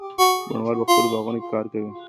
بڼوال په خپلو باغونو کي کار کوي.